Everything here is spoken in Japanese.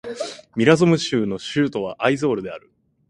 ミゾラム州の州都はアイゾールである